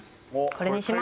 これにします。